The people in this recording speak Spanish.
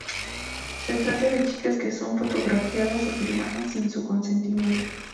Se trata de chicas que son fotografiadas o filmadas sin su consentimiento.